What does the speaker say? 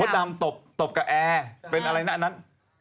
ดำตบตบกับแอร์เป็นอะไรนะอันนั้น